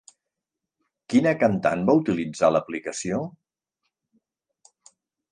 Quina cantant va utilitzar l'aplicació?